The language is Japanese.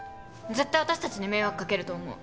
絶対私たちに迷惑かけると思う。